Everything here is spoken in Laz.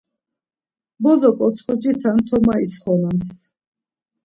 Bozok otsxeciten toma itsxonams.